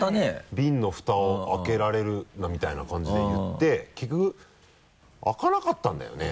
ビンのフタを開けられるみたいな感じで言って結局開かなかったんだよね？